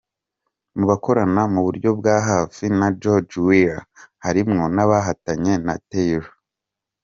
Mu bakorana mu buryo bw ahafi na George Weah harimwo abahotanye na Taylor.